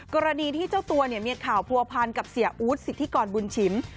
กรณีที่เจ้าตัวเนี่ยมีข่าวผัวพันกับเสียอู๊ดสิทธิกรบุญชิม